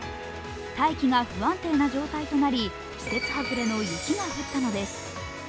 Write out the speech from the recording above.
大気が不安定な状態となり、季節外れの雪が降ったのです。